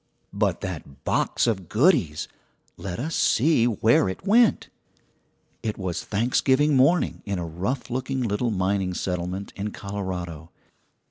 But that box of goodies! Let us see where it went. It was Thanksgiving morning in a rough looking little mining settlement in Colorado.